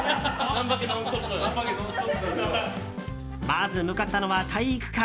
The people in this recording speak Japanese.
まず向かったのは体育館。